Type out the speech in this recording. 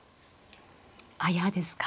あやですか。